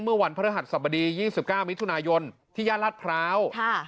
เมื่อวันพระรหัสสับดี๒๙มิทุนายนที่ญาติรัฐพร้าว